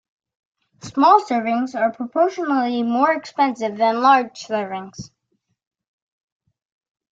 Small servings are proportionally more expensive than large servings.